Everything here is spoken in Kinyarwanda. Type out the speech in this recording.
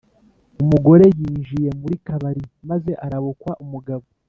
umugore yinjiye muri kabari maze arabukwa umugabo